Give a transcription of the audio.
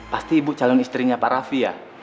pasti ibu calon istrinya pak raffi ya